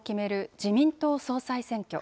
自民党総裁選挙。